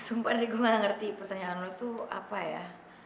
sumpah deh gue gak ngerti pertanyaan lo tuh apa ya